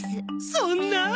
そんなあ。